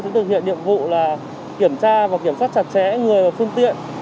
sẽ thực hiện nhiệm vụ là kiểm tra và kiểm soát chặt chẽ người và phương tiện